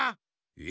え？